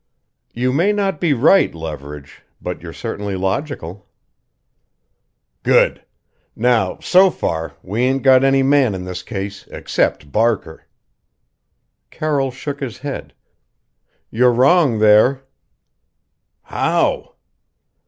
"You may not be right, Leverage; but you're certainly logical." "Good! Now, so far, we ain't got any man in this case except Barker." Carroll shook his head. "You're wrong there." "How?"